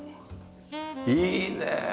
いいねえ。